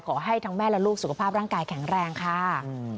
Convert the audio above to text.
ขอให้ทั้งแม่และลูกสุขภาพร่างกายแข็งแรงค่ะ